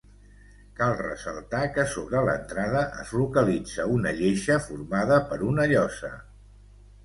Cal ressaltar que sobre l'entrada es localitza una lleixa formada per una llosa.